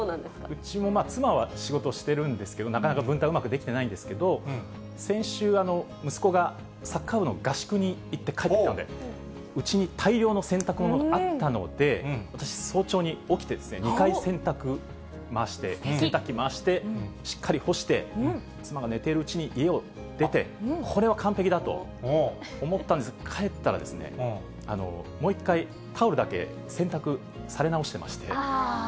うちも妻は仕事してるんですけど、なかなか分担、うまくできてないんですけど、先週、息子がサッカー部の合宿に行って帰ってきたので、うちに大量の洗濯物があったので、私、早朝に起きてですね、２回洗濯回して、洗濯機回して、しっかり干して、妻が寝ているうちに、家を出て、これは完璧だと思ったんですけど、帰ったら、もう一回、タオルだけ洗濯され直してまして。